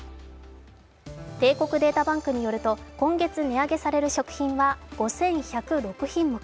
帝国データバンクによると、今月値上げされる食品は５１０６品目。